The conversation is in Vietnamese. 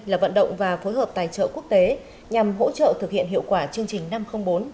là vận động và phối hợp tài trợ quốc tế nhằm hỗ trợ thực hiện hiệu quả chương trình năm trăm linh bốn